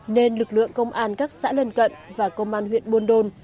nên lực lượng công an các xã lân cận và công an huyện buôn đôn